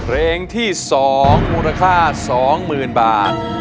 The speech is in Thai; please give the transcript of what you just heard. เรงที่สองมูลค่า๒๐๐๐๐บาท